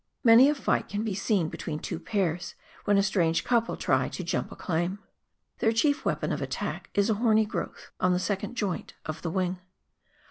Many a fight can be seen between two pairs, when a strange couple try to " jump a claim." Their chief weapon of attack is a horny growth on the second joint of the wing.